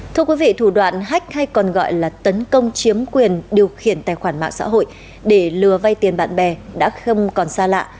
thưa quý vị thủ đoạn hách hay còn gọi là tấn công chiếm quyền điều khiển tài khoản mạng xã hội để lừa vay tiền bạn bè đã không còn xa lạ